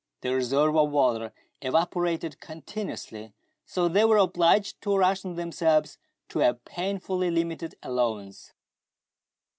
The reserve of water evaporated continuously, so they were obliged to ration themselves to a painfully limited allowance.